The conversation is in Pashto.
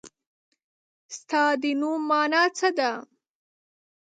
ستا د نوم مانا څه ده ؟